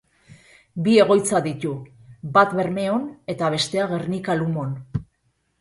Bi egoitza ditu, bat Bermeon eta bestea Gernika-Lumon.